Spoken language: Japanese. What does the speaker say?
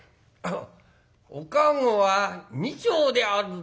「お駕籠は２丁であるぞ」。